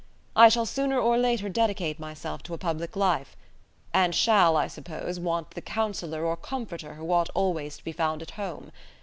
I shall sooner or later dedicate myself to a public life; and shall, I suppose, want the counsellor or comforter who ought always to be found at home.